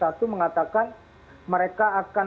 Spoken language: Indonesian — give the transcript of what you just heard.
kita sudah mengatakan mereka akan